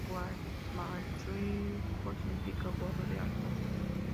Huamachuco significa "Gorro de Halcón".